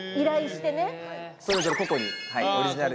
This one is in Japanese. それぞれ個々にオリジナルで。